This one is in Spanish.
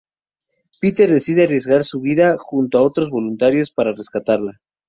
Peter decide arriesgar su vida junto a otros voluntarios para rescatarla.